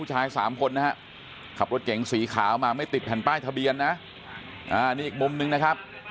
ชายสามคนนะฮะขับรถเก๋งสีขาวมาไม่ติดแผ่นป้ายทะเบียนนะนี่อีกมุมนึงนะครับ